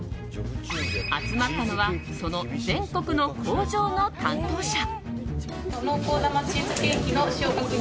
集まったのはその全国の工場の担当者。